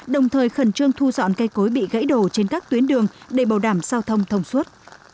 đồng thời khẩn trương thu dọn cây cối bị gãy đổ trên các tuyến đường để bảo đảm giao thông thông suốt